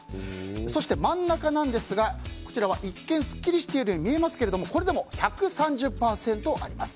そして、真ん中ですがこちらは一見すっきりしているように見えますがこれでも１３０％あります。